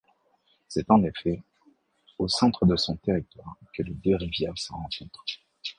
C’est en effet, au centre de son territoire, que les deux rivières se rencontrent.